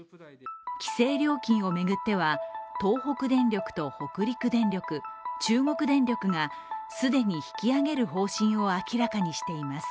規制料金を巡っては、東北電力と北陸電力、中国電力が既に引き上げる方針を明らかにしています。